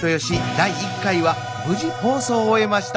第１回は無事放送を終えました。